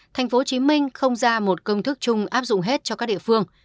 tp hcm không ra một công thức chung áp dụng hết cho các địa phương